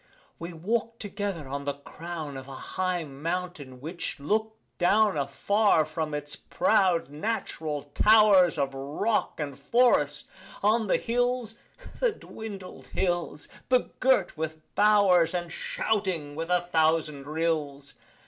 We walk'd together on the crown Of a high mountain which look'd down Afar from its proud natural towers Of rock and forest, on the hills The dwindled hills! begirt with bowers, And shouting with a thousand rills.